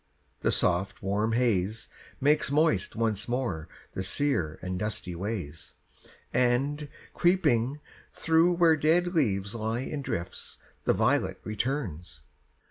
The soft, warm haze Makes moist once more the sere and dusty ways, And, creeping through where dead leaves lie in drifts, The violet returns.